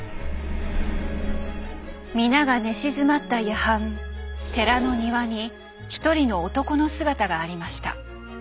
皆が寝静まった夜半寺の庭に一人の男の姿がありました。